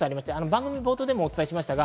番組冒頭でもお伝えしました。